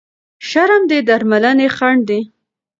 شرم د درملنې خنډ دی.